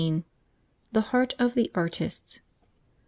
The heart of the artist.